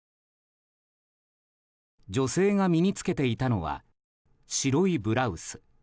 女性が身に着けていたのは白いブラウス。